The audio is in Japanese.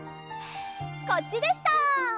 こっちでした！